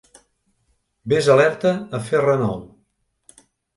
Ves alerta a fer renou.